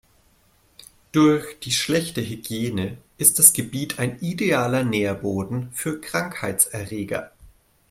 Durch die schlechte Hygiene ist das Gebiet ein idealer Nährboden für Krankheitserreger.